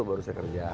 baru saya kerja